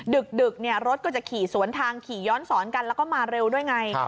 ดึกรถก็จะขี่สวนทางขี่ย้อนสอนกันแล้วก็มาเร็วด้วยไง